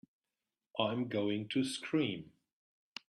I'm going to scream!